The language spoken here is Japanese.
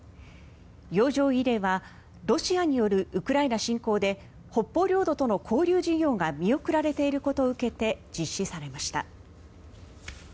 洋上慰霊はロシアによるウクライナ侵攻で北方領土との交流事業が見送られていることを受けて実施されました。